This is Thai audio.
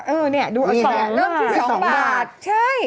เริ่มที่๒บาทใช่